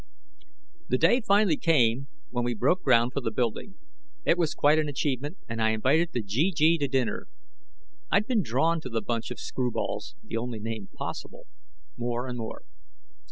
The day finally came when we broke ground for the building. It was quite an achievement, and I invited the GG to dinner. I'd been drawn to the bunch of screwballs the only name possible more and more.